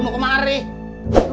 terima kasih ya